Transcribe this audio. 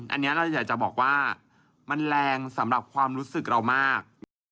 อันนี้เราอยากจะบอกว่ามันแรงสำหรับความรู้สึกเรามาก